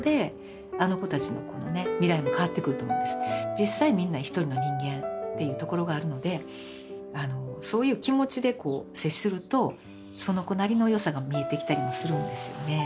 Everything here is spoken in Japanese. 実際みんな一人の人間っていうところがあるのでそういう気持ちでこう接するとその子なりの良さが見えてきたりもするんですよね。